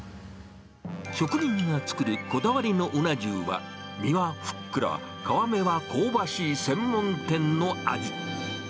職人が作るこだわりのうな重は、身はふっくら、皮目は香ばしい専門店の味。